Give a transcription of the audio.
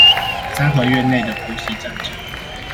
三合院內的婆媳戰爭